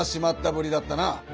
ぶりだったな。